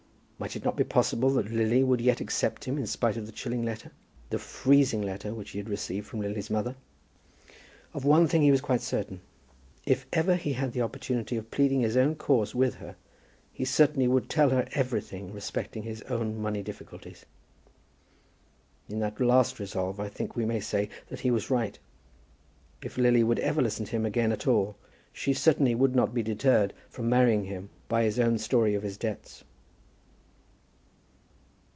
Might it not be possible that Lily would yet accept him in spite of the chilling letter, the freezing letter which he had received from Lily's mother? Of one thing he was quite certain. If ever he had an opportunity of pleading his own cause with her, he certainly would tell her everything respecting his own money difficulties. In that last resolve I think we may say that he was right. If Lily would ever listen to him again at all, she certainly would not be deterred from marrying him by his own story of his debts.